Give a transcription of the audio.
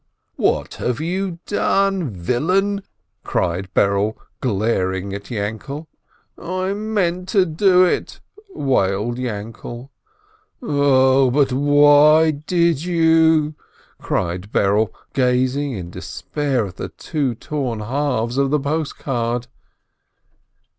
"What have you done, villain !" cried Berele, glaring at Yainkele. "I meant to do it!" wailed Yainkele. "Oh, but why did you?" cried Berele, gazing in despair at the two torn halves of the post card.